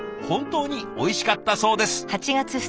本当においしかったそうです。